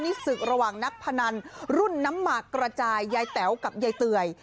นี่ศึกระหว่างนักพนันรุ่นน้ำหมากกระจายยายแต๋วกับยายเตย